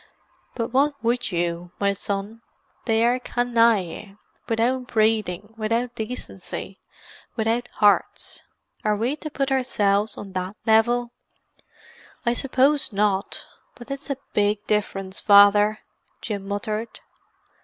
"But what would you, my son? They are canaille—without breeding, without decency, without hearts. Are we to put ourselves on that level?" "I suppose not—but it's a big difference, Father," Jim muttered.